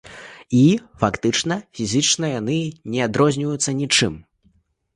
І, фактычна, фізічна яны не адрозніваюцца нічым.